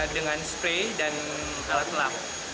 dengan spray dan alat selam